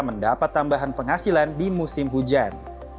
mendapat tambahan penghasilan di musim hujan